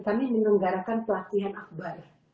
kami menegangkan pelatihan akbar